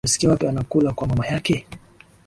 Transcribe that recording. Umesikia wapi anakula kwa mama yake?